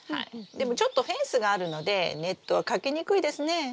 でもちょっとフェンスがあるのでネットはかけにくいですね。